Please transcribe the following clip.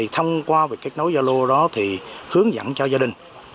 thông qua việc kết nối gia lô đó thì hướng dẫn cho gia đình